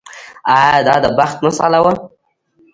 ایا دا د بخت مسئله وه.